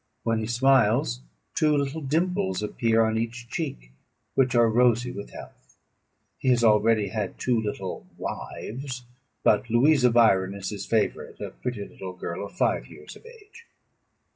When he smiles, two little dimples appear on each cheek, which are rosy with health. He has already had one or two little wives, but Louisa Biron is his favourite, a pretty little girl of five years of age.